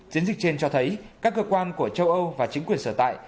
chiến dịch trên cho thấy các cơ quan của châu âu và chính quyền sở tại